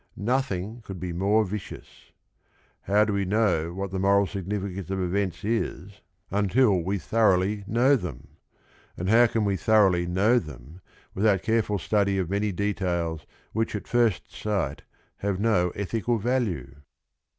Nothing could be more vicious. How do we know what the moral significance of events is until we thor LESSONS OF RING AND BOOK 213 oughly know them? and how can we thoroughly know them without careful study of many de tails which at first sight have no ethical value